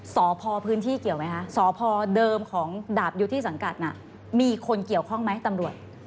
สพพื้นที่เกี่ยวไหมคะสพเดิมของดาบยุทธิสังกัดน่ะมีคนเกี่ยวข้องไหมตำรวจ